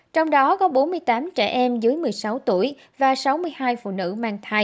trong đó có bốn mươi tám trẻ em dưới một mươi sáu tuổi và sáu mươi hai phụ nữ mang thai